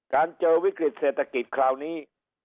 เจอวิกฤตเศรษฐกิจคราวนี้